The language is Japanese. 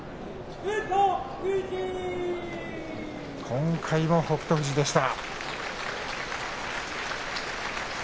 今回も北勝富士でした。